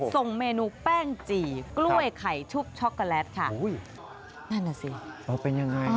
ส่งเมนูแป้งจี่กล้วยไข่ชุบช็อคโกแลตค่ะ